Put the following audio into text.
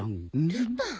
ルパン！